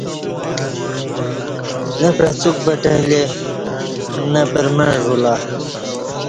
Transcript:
نہ پعڅوک پٹں اہ لے نہ پر مع ژولہ